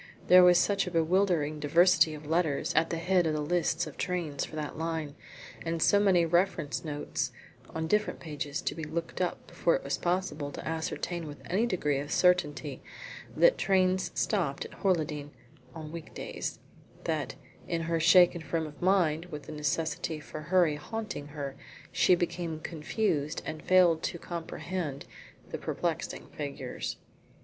There was such a bewildering diversity of letters at the head of the lists of trains for that line, and so many reference notes on different pages to be looked up before it was possible to ascertain with any degree of certainty what trains stopped at Horleydene on week days, that, in her shaken frame of mind, with the necessity for hurry haunting her, she became confused, and failed to comprehend the perplexing figures.